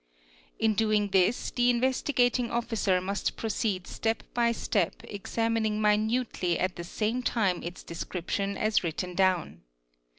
In doing this the Investigating Officer must proceed step by step examining minutely at the same time its description as written down.